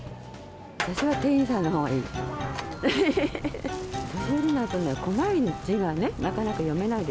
私は店員さんのほうがいい。